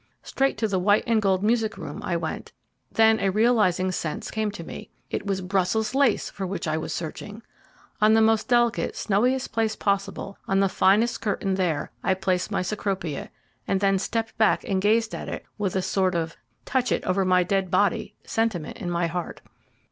Straight to the white and gold music room I went. Then a realizing sense came to me. It was BRUSSELS LACE for which I was searching! On the most delicate, snowiest place possible, on the finest curtain there, I placed my Cecropia, and then stepped back and gazed at it with a sort of "Touch it over my dead body" sentiment in my heart.